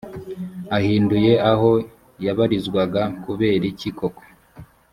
ahinduye aho yabarizwaga kuberiki koko